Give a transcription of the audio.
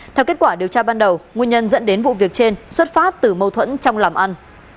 theo kết quả điều tra ban đầu nguyên nhân dẫn đến vụ việc trên xuất phát từ mâu thuẫn trong làm ăn